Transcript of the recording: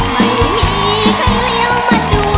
ไม่มีใครเลี้ยวมาดู